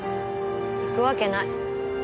行くわけない。